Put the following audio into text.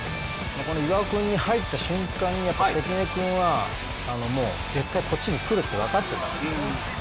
この岩尾君に入った瞬間に関根君はもう絶対こっちに来るって分かってたんですね。